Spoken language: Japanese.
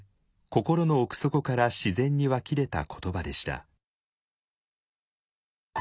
心の奥底から自然に湧き出た言葉でした。